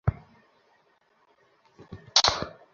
গাধাটি দাঁড়িয়ে কিছু দূর চলার পর আবার বসে পড়ল।